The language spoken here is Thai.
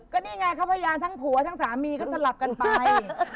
ก็นี่ไงเขาพยายามทั้งผัวทั้งสามีก็สลับกันไป